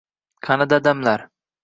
Qani dadamlar?!